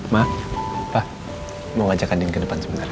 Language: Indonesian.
ma pa mau ngajak andien ke depan sebentar ya